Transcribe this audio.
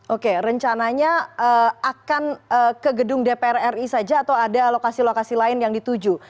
oke rencananya akan ke gedung dpr ri saja atau ada lokasi lokasi lain yang dituju